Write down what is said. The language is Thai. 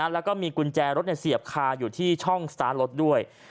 แล้วก็มีกุญแจรถเสียบคาอยู่ที่ช่องสตาร์ทรถด้วย